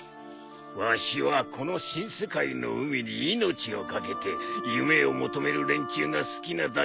わしはこの新世界の海に命を懸けて夢を求める連中が好きなだけなんじゃ。